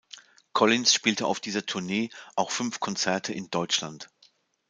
Collins spielte auf dieser Tournee auch fünf Konzerte in Deutschland.